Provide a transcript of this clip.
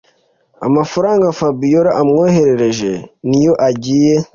mafaranga fabiora amwoherereje niyo agiye